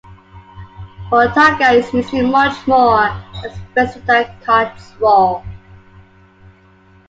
Bottarga is usually much more expensive than cod's roe.